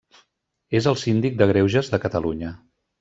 És el síndic de Greuges de Catalunya.